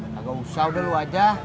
nggak usah udah lo aja